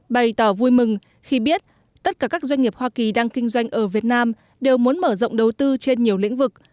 bày tỏ vui mừng khi biết tất cả các doanh nghiệp hoa kỳ đang kinh doanh ở việt nam đều muốn mở rộng đầu tư trên nhiều lĩnh vực